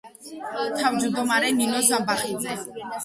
თავმჯდომარე ნინო ზამბახიძე.